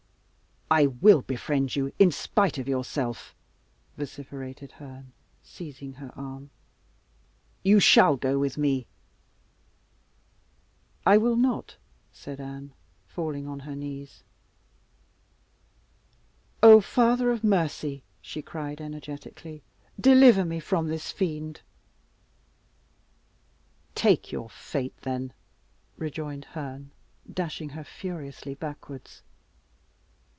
"I will befriend you in spite of yourself," vociferated Herne, seizing her arm; "you shall go with me!" "I will not," said Anne, falling on her knees. "Oh, Father of Mercy!" she cried energetically, "deliver me from this fiend!" "Take your fate, then!" rejoined Herne, dashing her furiously backwards.